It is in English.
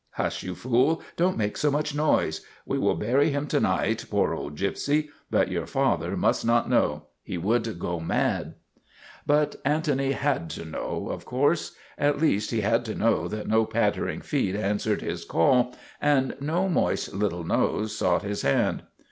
Hush, you fool! Don't make so much noise. We will bury him to night, poor old MADNESS OF ANTONY SPATOLA 81 Gypsy. But your father must not know. He would go mad." But Antony had to know, of course. At least, he had to know that no pattering feet answered his call and no moist little nose sought his hand.